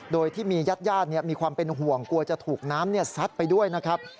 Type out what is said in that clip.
โดยที่มีญาติญาติมีความเป็นห่วงกลัวจะถูกน้ำซัดไปด้วยนะครับ